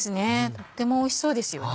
とってもおいしそうですよね